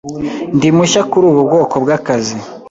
Ndi mushya kuri ubu bwoko bw'akazi.